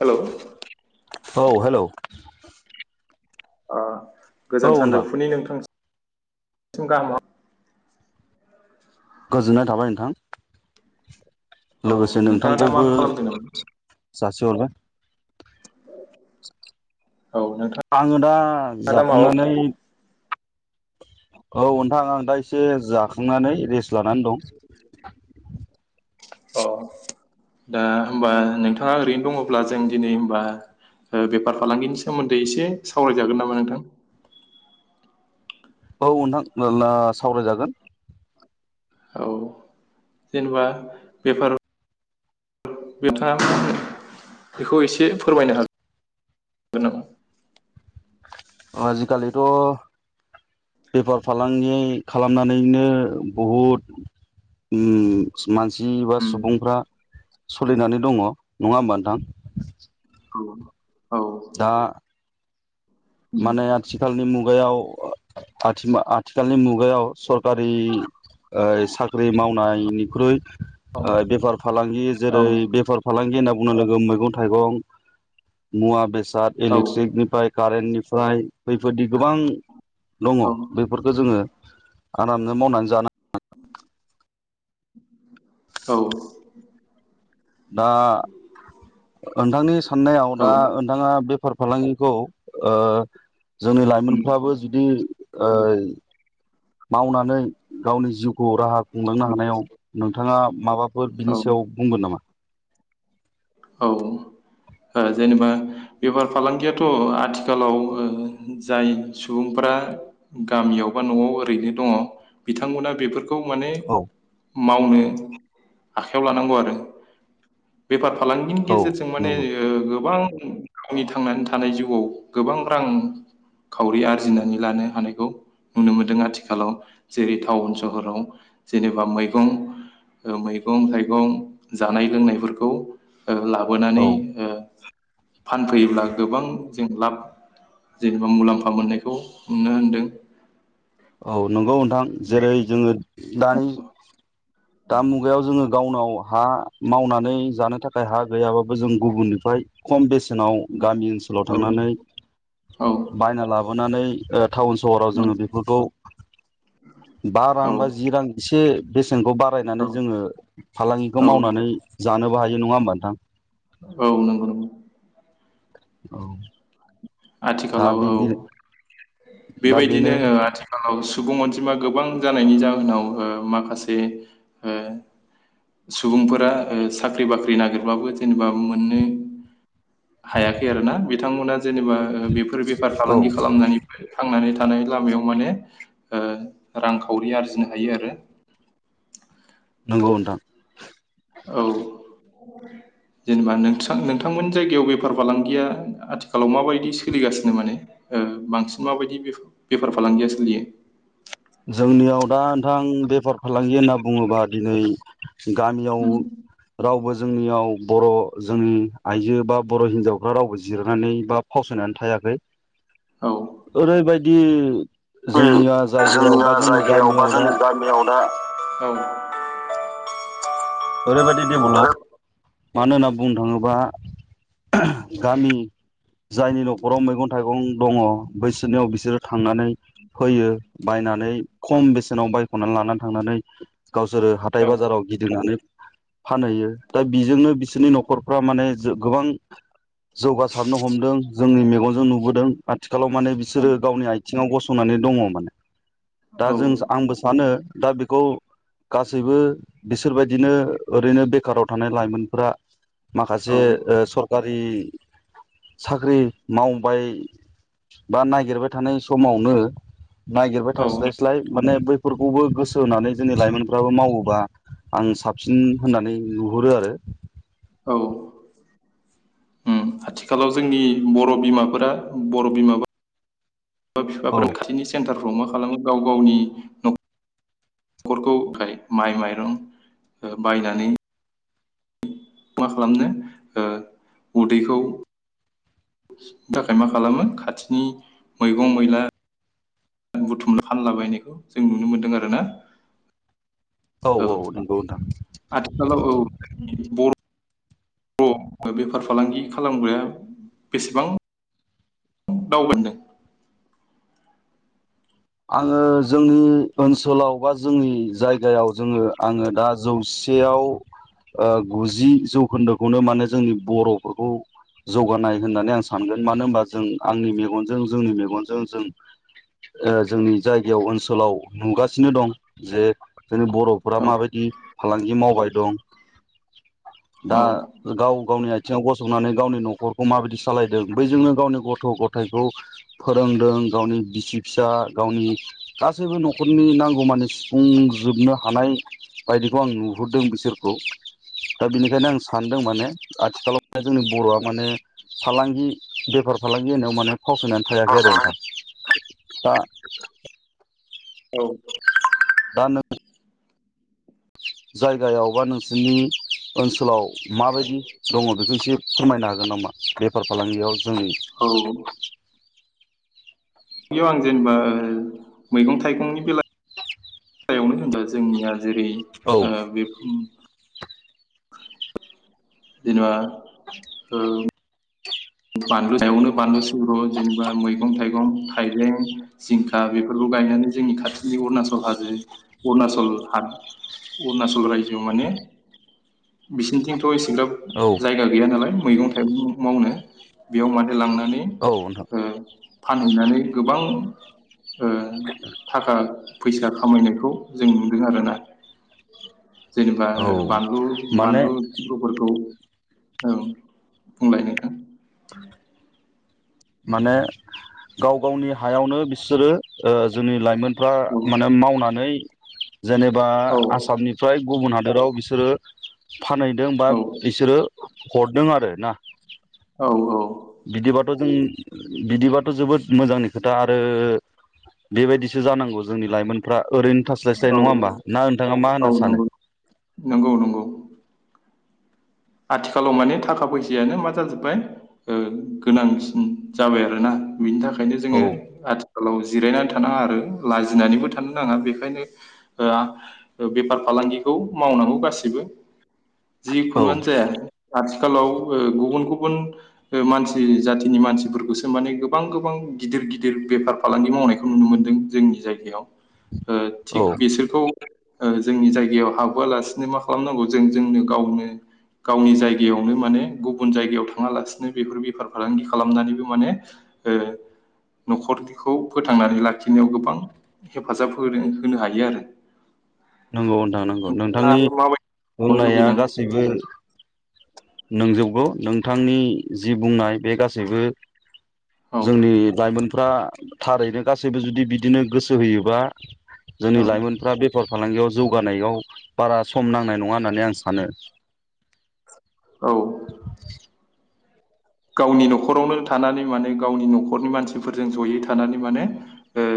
Hello. औ hello. ओ। औ गोजोन नोंथां सानजौफुनि नोंथां [unintelligible] गोजोननाय थाबाय नोंथां। औ लोगोसे नोंथाङा दा मा नोंथांखौबो। खालामदों नामा जासि हरबाय। औ नोंथाङा आङो दा दा माबा जाखांनानै औ ओनथां आं दा एसे जा खांनानै रेस लानानै दं। अ दा होमबा नोंथाङा ओरैनो दङब्ला जों दिनै होमबा बेफार फालांगिनि सोमोन्दै एसे सावरायजागोन नामा नोंथां। औ नोंथां [unintelligible] सावरायजागोन। औ जेनेबा बेफार बिथाङा बेखौ एसे फोरमायनो हागोन नामा? आजिखालिथ बेफार फालांगि खालामनानैनो बहुद उम मानसि बा उम सुबुंफ्रा सलिनानै दङ नङा होमबा नोंथां। औ औ दा उम माने आथिखालनि मु गायाव ओह आथिमा-आथिखालनि मुगायाव सरखारि ओह साख्रि मावनायनिख्रुइ औ ओह बेफार फालांगि औ जेरै बेफार फालांगि होनना बुंनो लोगो मैगं थाइगं मुवा बेसा औ [unintelligible] खारेननि फ्राय बैफोरदि गोबां दङ औ बैफोरखौ जोङो आरामनो मावनानै जानो औ। दा नोंथांनि साननायाव दा ओनथाङा बेफार फालांगिखौ ओह जोंनि लाइमोनफ्राबो जुदि ओह मावनानै गावनि जिउखौ राहा खुंलांनो हानायाव नोंथाङा माबाफोर औ बिनि सायाव बुंगोन नामा? ओह जेनेबा बेफार फालांगियाथ आथिखालाव ओ जाय सुबुंफ्रा गामियाव बा नआव ओरैनो दङ बिथांमोना बेफोरख खौ माने औ मावनो आखायाव लानांगौ आरो बेफार फालांगिनि औ गेजेरजों माने नंगौ गोबां गावनि थांनानै थानाय जिउआव गोबां रां खावरि आरजिनानै लानो हानायखौ नुनो मोनदों आथिखालाव जेरै टाउन सहराव जेनेबा मैगं ओ मैगं थाइगं जानाय लोंनायफोरखौ। ओ औ लाबोनानै फानफैयोब्ला गोबां जों लाब जेनेबा मुलाम्फा मोननायखौ नुनो होनदों। औ नंगौ नोंथां जेरै जोङो दानि दा मुगायाव जोङो गावनाव हा मावनानै जानो थाखाय हा गैयाबाबो जों गुबुननिफ्राय खम बेसेनाव गामि ओनसोलाव थांनानै औ बायना लाबोनानै ओ टाउन सहराव जोङो बेफोरखौ बा रां औ बा जि रां एसे बेसेनखौ बार औ बायनानै जोङो फालांगिखौ औ मावनानै जानोबो हायो ज नङा होमबा नोंथां औ नंगौ नंगौ औ दा आथिखालाव औ बिदि दा बेबायदिनो बेनो औ आथिखालाव सुबुं अनजिमा गोबां जानायनि जाहोनाव माखासे ओ सुबुंफोरा ओ साख्रि बाख्रि नागिरबाबो जेनेबा मोननो हायाखै आरो ना बिथांमोना जेनेबा बेफोर बेफार औ फालांगि खालामनानै थांनानै लामायाव माने ओ रांखावरि आरजिनो हायो आरो नंगौ नोंथां औ जेनेबा नों नोंथांमोन जायगायाव बेफार फालांगिया आथिखालाव माबायदि सोलिगासिनो माने ओ बांसिन माबायदि बेफार फालांगिया सोलियो जोंनियाव दा नोंथां बेफार फालांगि होनना बुङोबा दिनै गामियाव उम रावबो जोंनियाव बर' जोंनि आइजो बा बर' हिनजावफ्रा रावबो जिरनानै बा फावसायनानै थायाखै औ ओरै बायदि दि जोंनिया जाय जोंनिया जायगायाव बा जोंनि गामियाव दा ओरैबायदि देबल' मानो होनना बुंनो थाङोबा गामि जायनि न'खराव मैगं थाइगं दङ बैसोरनियाव बिसोरो थांनानै फैयो बायनानै खम बेसेनाव बायख'नानै लानानै थांनानै गावसोरो हाथाय औ बाजाराव गिदिंनानै फानहैयो दा बेजोंनो बिसोरनि न'खरफ्रा माने गोबां जौगासारनो हमदों जोंनि मेगनजों नुबोदों आथिखालाव माने बिसोरो गावनि आइथिं सिङाव गसंनानै दङ माने दा जों आंबो सानो दा बेखौ गासैबो बिसोरबायदि बिदिनो ओरैनो बेखाराव थानाय लाइमोनफोरा माखासे ओ औ सरखार साख्रि मावबाय, बा नागिरबाय थानाय समावनो नागिरबाय औ थास्लायस्लाय माने बै फोरखौबो गोसो होनानै जोंनि लाइमोनफ्राबो मावोबा आं साबसिन होननानै नुहुरो आरो। औ आथिखालाव जोंनि बर' बिमाफोरा बर' बिमााबा बिमा औ बिफाफोरा खाथिनि सेन्टार मा खालामो गाव गावनि [unintelligible] नख'रखौ माइ माइरं बायनानै मा खालामनो ओ उदैखौ थाखाय मा खालामो खाथिनि मैगं मैला बुथुम फानलाबायनायखौ जों नुनो मोनदों आरो ना? औ आथिखालाव औ बर' बेफार फालांगि खालामग्राया बेसेबां [unintelligible] आङो जोंनि ओनसोलाव बा जोंनि जायगायाव जोङो आङो दा जौसेयाव ओ गुजि जौखोन्दोखौनो माने जोंनि बर'फोरखौ जौगानाय होननानै आं सानगोन। मानो होनबा जों आंनि मेगनजों जोंनि मेगनजों जों जोंनि जायगायाव ओनसोलाव नुगासिनो दं, जे जोंनि बर'फोरा औ माबायदि फालांगि मावबाय दं। दा औ गाव गावनि आथिङाव गसंनानै गावनि न'खरखौ माबायदि सालायदों बैजोंनो गावनि गथ' गथायाइखौ फोरोंदों गावनि बिसि फिसा गावनि गासैबो न'खरनि नांगौमानि सुफुंजोबनो हानाय बायदिखौ आं नुहुरदों बिसोरखौ । दा बेनिखायनो आं सानदों माने आथिखालाव जोंनि बर'आ माने, फालांगि बेफार फालांगि होनायाव माने फावसायनानै थायाखै आरो नोंथां। दा औ दानो ज [inaudible] जायगायावबा नोंसिनि ओनसोलाव माबायदि दङ बेखौ एसे फोरमायनो हागोन नामा? बेफार फालांगियाव जोंनि औ बेयाव आं जेनेबा मैगं थाइगंनि बेलायाव होनबा जोंनिया जेरै औ ओ बे [inaudible] जेनेबा औ बानलु सायावनो बानलु सिब्र' जेनेबा मैगं थाइगं थाइबें जिंखा बेफोरखौ गायनानै जोंनि खाथिनि अुरुनाशल हाजो अरुणचल रायजोआव माने बिसिनिथिं थ' एसेग्राब औ जायगा गैया नालाय मैगं थाइगं मावनो बेयाव माने लांनानै औ नोंथां ओ फानहैनानै गोबां ओ थाखा फैसा खामायनायखौ जों नुदों आरोना। जेनेबा औ बानलु माने बानलु [unintelligible] फोरखौ औ बुंलाय नोंथां [inaudible] माने गाव गावनि हायावनो बिसोरो ओ जोंनि लाइमोन फ्रा औ माने मावनानै जेनेबा औ आसामनिफ्राय गुबुन हाद दराव बिसोरो फानहैदों बा औ बिसोरो हरदों आरो ना औ औ बिदिबाथ जों बिदिबाथ जोबोद मोजांनि खोथा आरो बेबायदिसो जानांगौ जोंनि लाइमोनफ्रा ओरैनो थास्लायस्लाय औ नङा होमबा ना नोंथाङा मा होनना सानो? नंगौ नंगौ नंगौ आथिखालाव माने थाखा फैसायानो मा जाजोब्बाय ओ गोनांसिन जाबाय आरोना बिनि थाखायनो औ जोङो आथिखालाव जिरायनानै थानाङा आरो लाजिनानैबो थानो नाङा बेखायनो ओआ बेफार फालांगिखौ मावनांगौ गासिबो जि औ खुनुआनो आथिखालाव ओ गुबुन गुबुन ओ मानसि जाथिनि मानसिफोरखौसो माने गोबां गोबां गिदिर गिदिर बेफार फालांगि मावनायखौ नुनो मोन्दों जोंनि जायगायाव ओ औ थिग बेसोरखौ ओ जोंनि जायगायाव हाबहोआलासिनो मा खालामनांगौ जों जोंनो गावनो गावनि जायगायावनो माने गुबुन जायगायाव थाङालासिनो बेफोर बेफार फालांगि खालामनानैबो माने ओ नखरखौ फोथांनानै लाखिनायाव गोबां हेफाजाब हो-होनो हायो आरो नंगौ नोंथां नंगौ नोंथांनि आरो माबायदि मोननो बुंनाया लुगैदों गासैबो नोंजोबगौ नोंथांनि जि बुंनाय बे गासैबो औ जोंनि लाइमोन फुरा थारैनो गासैबो जुदि बिदिनो गोसो सो होयोबा जोंनि औ लाइमोनफ्रा बेफार फालांगियाव जौगानायाव बारा सम नांनाय नङा होननानै आं सानो औ गावनि नखरावनो थानानै माने गावनि नखरनि मानसिफोरजों जयै थानानै माने ओ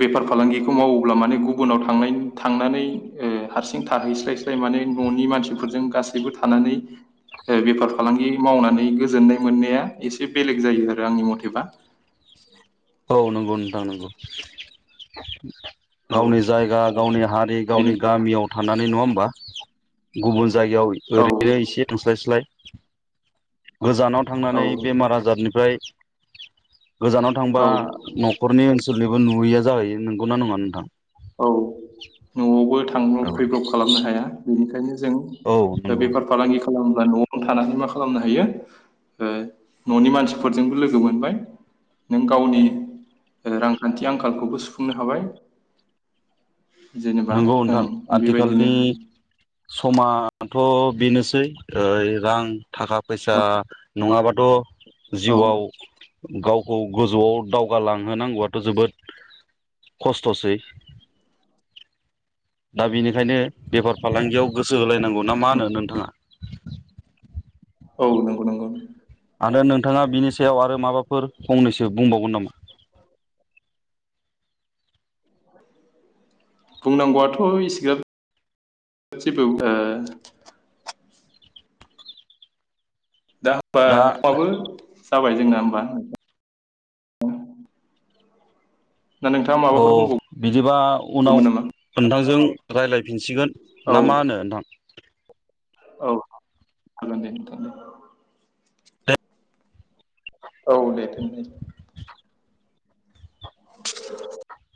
बेफार फालांगिखौ मावोब्ला माने गुबुनाव थांथांनानै ओ हारसिं थाहैस्राय स्राय माने न'नि मानसिफोरजों गासैबो थानानै ओ बेफार फालांगि मावनानै गोजोननाय मोननाया एसे बेलेग जायो आरो आंनि मथेबा औ नंगौ नोंथां नंगौ औ गावनि जायगा गावनि हारि बेनि गावनि गामियाव थानानै नङा होमबा? गुबुन जायगायाव औ ओरैनो एसे थांस्लाय स्लाय गोजानाव थांनानै औ बेमार आजारनिफ्राय गोजानाव थांबा औ नखरनि ओन [unintelligible] नुयैया जाहैयो नोंगौना नङा नोंथां? औ नआवबो थांब्रब औ फैब्रब खालामनो हाया बेनिखायनो औ जों नंगौ बेफार फालांगि खालामब्ला नआवनो थानानै मा खालामनो हायो ननि मानसिफोरजोंबो लोगो मोनबाय नों गावनि रांखान्थि आंखालखौबो सुफुंनो हाबाय जेनेबा नंगौ ओं नोंथां बेबायदिनो आथिखालनि समाज [unintelligible] बेनोसै रां थाखा फैसा औ नङाबाथ जिउआव औ गावखौ गोजौआव दावगालांहोनांगौआथ जोबोद खस्थ'सै दा बेनिखायनो बेफार फालांगियाव गोसो होलायनांगौ ना मा होनो नोंथाङा? औ नंगौ नंगौ आरो नोंथाङा बिनि सायाव आरो माबाफोर फंनैसो बुंबावगोन नामा? [inaudible] बुंनांगौआथ इसेग्राब जेबो [unintelligible] दा जाबाय जोंना होमबा नोंथाङा औ माबाफोर बिदिबा उनाव बुंबावगौमोन नामा नोंथांजों रायज्लायफिनसिगोन ना मा होनो नोंथां? औद खनो औ दे [unintelligible] [inaudible]